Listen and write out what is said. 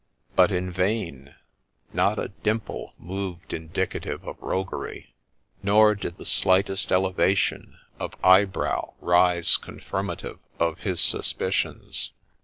But in vain ; not a dimple moved indicative of roguery, nor did the slightest elevation of eyebrow rise confirmative of his suspicions.